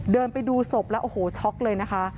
เดินไปดูศพแล้วโอ้โหช็อกเลยนะคะ